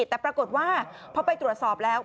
แต่ปรากฏว่าพอไปตรวจสอบแล้ว